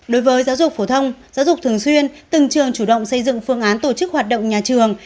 đối với giáo dục phổ thông giáo dục thường xuyên từng trường chủ động xây dựng phương án tổ chức hoạt động nhà trường